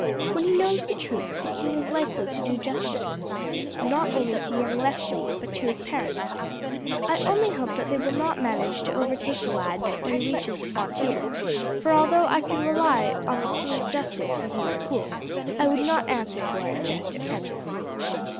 When he knows the truth the king is likely to do justice, not only to young Leslie, but to his parents. I only hope that they will not manage to overtake the lad before he reaches the frontier, for although I can rely on the king's justice when he is cool I would not answer for it just at present."